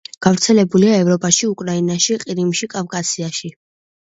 გავრცელებულია ევროპაში, უკრაინაში, ყირიმში, კავკასიაში.